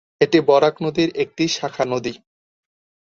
এটি বরাক নদীর একটি শাখা নদী।